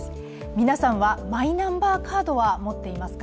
皆さんは、マイナンバーカードは持っていますか？